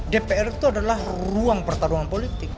dpr itu adalah ruang pertarungan politik